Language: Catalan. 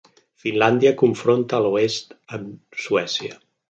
Finlàndia confronta a l'oest amb Suècia.